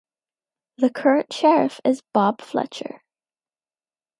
The current sheriff is Bob Fletcher.